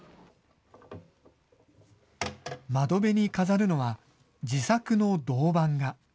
窓辺に飾るのは、自作の銅版画。